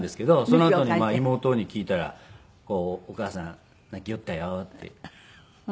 そのあとに妹に聞いたら「お母さん泣きよったよ」って言っていました。